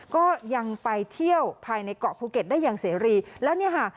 ก็ยังไปเที่ยวภายในเกาะภูเก็ตได้อย่างเสรีแล้วเนี่ยค่ะ